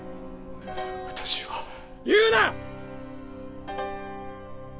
私は言うな！